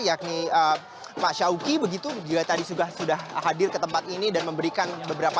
yakni pak syawki begitu juga tadi sudah hadir ke tempat ini dan memberikan beberapa